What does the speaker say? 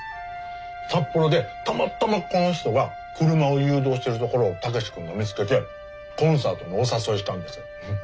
札幌でたまたまこの人が車を誘導してるところを武志君が見つけてコンサートにお誘いしたんです。